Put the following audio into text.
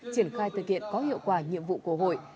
triển khai thực hiện có hiệu quả nhiệm vụ của hội